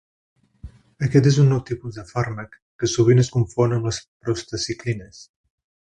Aquest és un nou tipus de fàrmac que sovint es confon amb les prostaciclines.